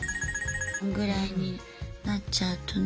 ぐらいになっちゃうとね。